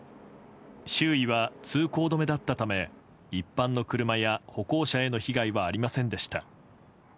周囲は通行止めだったため一般の車や歩行者への被害はありませんでした。